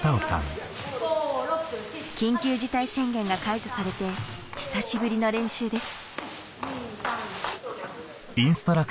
緊急事態宣言が解除されて久しぶりの練習です